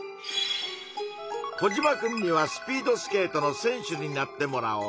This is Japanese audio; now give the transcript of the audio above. コジマくんには「スピードスケートの選手」になってもらおう。